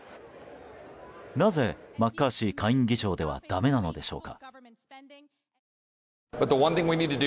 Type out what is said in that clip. なぜ、マッカーシー下院議長ではだめなのでしょうか。